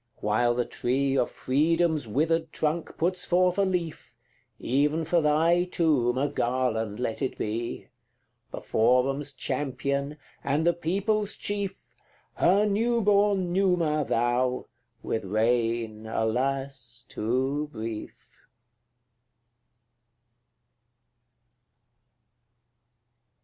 While the tree Of freedom's withered trunk puts forth a leaf, Even for thy tomb a garland let it be The forum's champion, and the people's chief Her new born Numa thou, with reign, alas! too brief.